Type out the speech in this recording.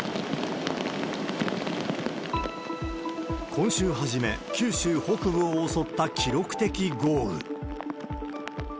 今週初め、九州北部を襲った記録的豪雨。